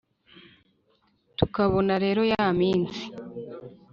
tukabona rero ya minsi,